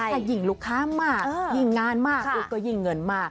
ถ้ายิ่งลูกค้ามากยิ่งงานมากก็ยิ่งเงินมาก